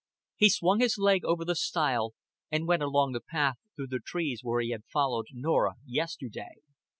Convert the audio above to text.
He swung his leg over the stile, and went along the path through the trees where he had followed Norah yesterday.